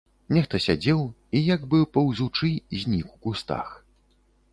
Нехта сядзеў і, як бы паўзучы, знік у кустах.